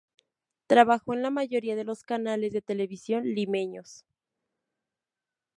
Trabajó en la mayoría de los canales de televisión limeños.